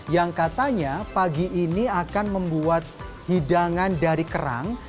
yang katanya pagi ini akan membuat hidangan dari kerang